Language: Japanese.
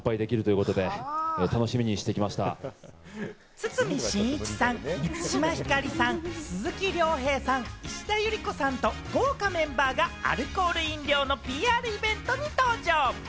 堤真一さん、満島ひかりさん、鈴木亮平さん、石田ゆり子さんと豪華メンバーがアルコール飲料のＰＲイベントに登場。